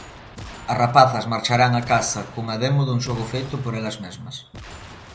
As rapazas marcharán á casa cunha demo dun xogo feito por elas mesmas.